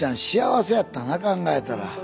幸せやったな考えたら。